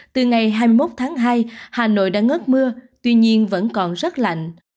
từ ngày hai mươi một tháng hai hà nội đã ngớt mưa tuy nhiên vẫn còn rất lạnh